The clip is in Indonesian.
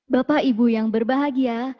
bapak ibu yang berbahagia